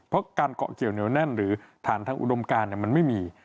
เพราะการเกาะเกี่ยวเหนียวแน่นหรือผ่านทางอุดมการมันไม่มี